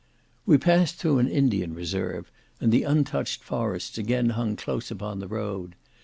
We passed through an Indian reserve, and the untouched forests again hung close upon the road.